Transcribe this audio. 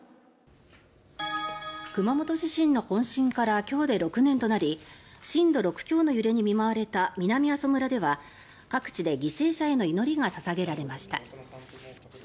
熊本地震の本震から今日で６年となり震度６強の揺れに見舞われた南阿蘇村では各地で犠牲者への祈りが捧げられました。